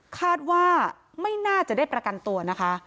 คาดว่าไม่น่าจะได้ประกันตัวนะคะ